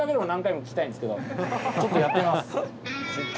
ちょっとやってみます。